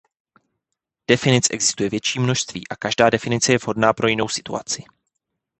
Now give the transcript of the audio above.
Definic existuje větší množství a každá definice je vhodná pro jinou situaci.